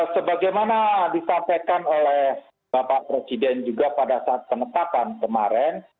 sebagaimana disampaikan oleh bapak presiden juga pada saat penetapan kemarin